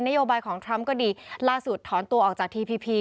โยบายของทรัมป์ก็ดีล่าสุดถอนตัวออกจากทีพีพี